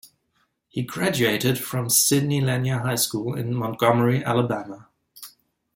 He graduated from Sidney Lanier High School in Montgomery, Alabama.